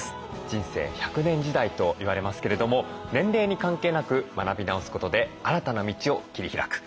人生１００年時代と言われますけれども年齢に関係なく学び直すことで新たな道を切り開く。